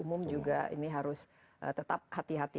umum juga ini harus tetap hati hati